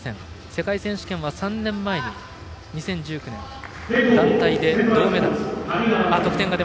世界選手権は３年前２０１９年、団体で銅メダル。